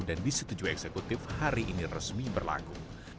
dan disetujui eksekutif hari ini resmi berlaku